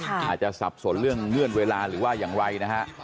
อาจจะสับสนเรื่องเงื่อนเวลาหรือว่าอย่างไรนะฮะ